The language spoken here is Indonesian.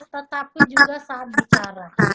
tetapi juga saat bicara